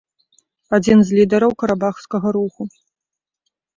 Адзін з лідараў карабахскага руху.